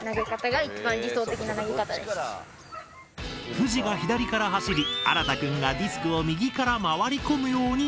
フジが左から走り新くんがディスクを右から回り込むように投げる。